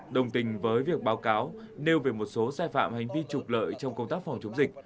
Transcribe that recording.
đồng tình với việc báo cáo nêu về một số sai phạm hành vi trục lợi trong công tác phòng chống dịch